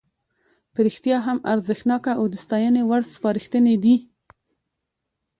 په رښتیا هم ارزښتناکه او د ستاینې وړ سپارښتنې دي.